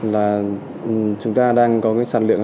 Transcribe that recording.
là chúng ta đang có sản lượng